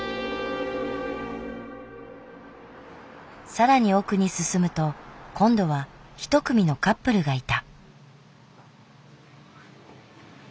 更に奥に進むと今度は一組のカップルがいた。